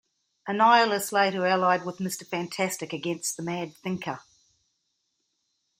Annihilus later allied with Mr Fantastic against the Mad Thinker.